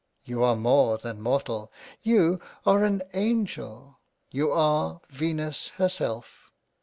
You are more than Mortal. You are an Angel. You are Venus herself.